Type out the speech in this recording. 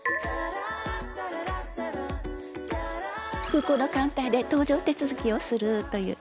空港のカウンターで搭乗手続きをするという。